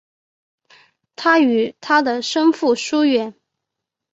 他与他的生父疏远。